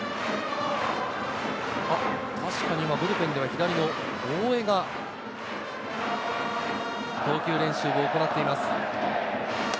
確かにブルペンでは左の大江が投球練習を行っています。